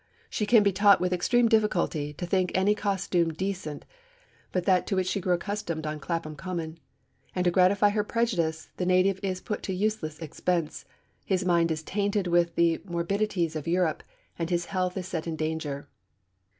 She can be taught with extreme difficulty to think any costume decent but that to which she grew accustomed on Clapham Common; and to gratify her prejudice, the native is put to useless expense, his mind is tainted with the morbidities of Europe, and his health is set in danger.'